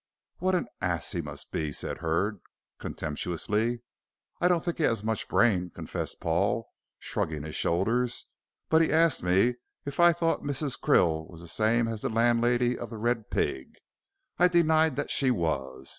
"What an ass he must be," said Hurd, contemptuously. "I don't think he has much brain," confessed Paul, shrugging his shoulders; "but he asked me if I thought Mrs. Krill was the same as the landlady of 'The Red Pig,' and I denied that she was.